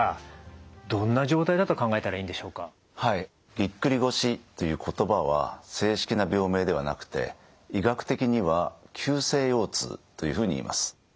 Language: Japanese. ぎっくり腰という言葉は正式な病名ではなくて医学的には急性腰痛というふうに言います。